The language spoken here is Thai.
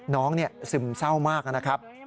ซึมเศร้ามากนะครับ